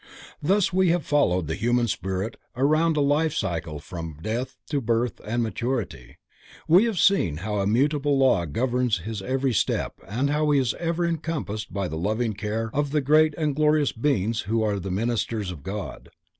Thus we have followed the human spirit around a life cycle from death to birth and maturity, we have seen how immutable law governs his every step and how he is ever encompassed by the loving care of the Great and Glorious Beings who are the ministers of God.